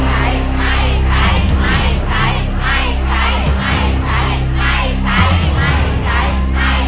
ไม่ใช้